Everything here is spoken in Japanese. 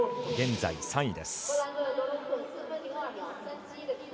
現在３位です。